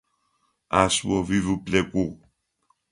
Ащ о уиуплъэкӏугъ.